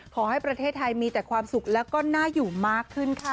ขอให้ประเทศไทยมีแต่ความสุขแล้วก็น่าอยู่มากขึ้นค่ะ